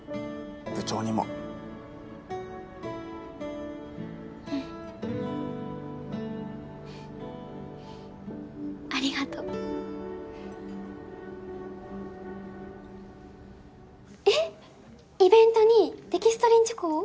部長にもうんありがとうえっ！？イベントにデキストリンチョコを？